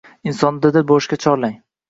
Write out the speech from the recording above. insonni dadil bo‘lishga chorlang.